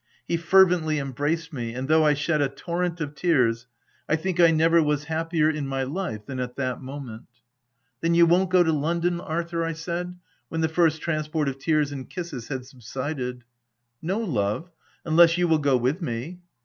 He fervently embraced me and though I shed a torrent of tears, I think I never was happier in my life than at that moment. OF WILDFELL HALL, 97 " Then you won't go to London, Arthur ?" I said, when the first transport of tears and kisses had subsided. " No, love, — unless you will go with me."